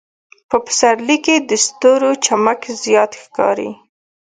په پسرلي کې د ستورو چمک زیات ښکاري.